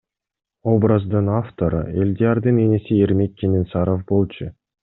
Образдын автору Элдиярдын иниси Эрмек Кененсаров болчу.